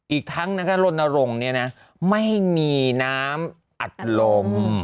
อีกทั้งลนรงค์ไม่มีน้ำอัดลม